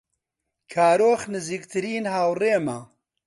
کارۆخ نزیکترین هاوڕێمە.